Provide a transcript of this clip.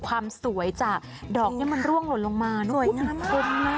ความสวยจากดอกที่มันร่วงหล่นลงมาสวยงามคุ้มมาก